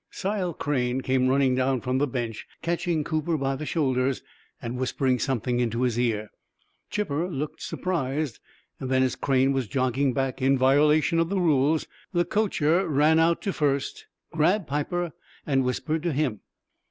Sile Crane came running down from the bench, catching Cooper by the shoulders and whispering something into his ear. Chipper looked surprised, and then, as Crane was jogging back, in violation of the rules, the coacher ran out to first, grabbed Piper and whispered to him.